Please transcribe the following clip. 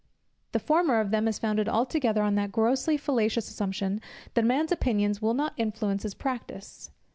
The former of them is founded altogether on that grossly fallacious assumption, that a man's opinions will not influence his practice.